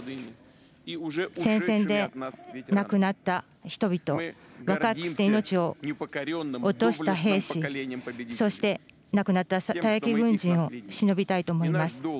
聖戦で亡くなった人々、若くして命を落とした兵士、そして亡くなった退役軍人をしのびたいと思います。